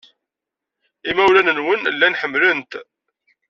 Imawlan-nwen llan ḥemmlen-t.